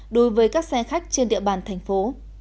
đối với các xe khách trên địa bàn thành phố